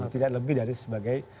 tidak lebih dari sebagai